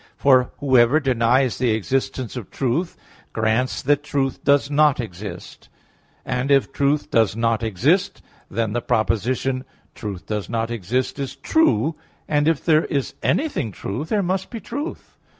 For whoever denies the existence of truth grants that truth does not exist: and, if truth does not exist, then the proposition "Truth does not exist" is true: and if there is anything true, there must be truth.